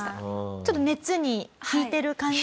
ちょっと熱に引いてる感じ？